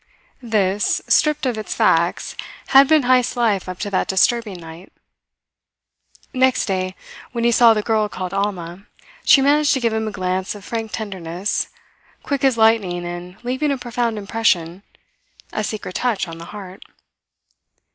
This, stripped of its facts, had been Heyst's life up to that disturbing night. Next day, when he saw the girl called Alma, she managed to give him a glance of frank tenderness, quick as lightning and leaving a profound impression, a secret touch on the heart.